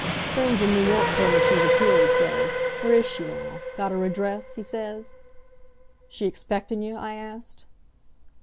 "'Friends in New York told me she was here,' he says. 'Where is she now? Got her address?' he says. "'She expectin' you?' I asked.